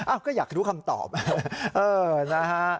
อ้าวก็อยากรู้คำตอบเออนะฮะ